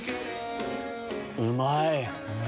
うまい。